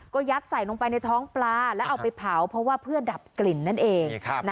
ก็ยัดใส่ลงไปในท้องปลาแล้วเอาไปเผาเพราะว่าเพื่อดับกลิ่นนั่นเอง